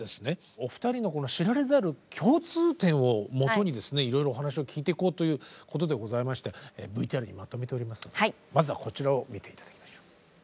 お二人のこの知られざる共通点をもとにいろいろお話を聞いていこうということでございましてＶＴＲにまとめておりますのでまずはこちらを見て頂きましょう。